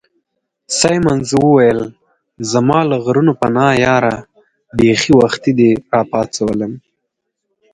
سیمونز وویل: زما له غرونو پناه یاره، بیخي وختي دي را وپاڅولم.